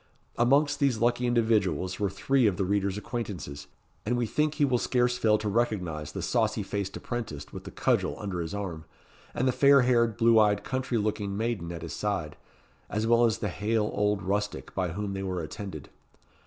Amongst these lucky individuals were three of the reader's acquaintances, and we think he will scarce fail to recognise the saucy faced apprentice with the cudgel under his arm, and the fair haired, blue eyed, country looking maiden at his side, as well as the hale old rustic by whom they were attended.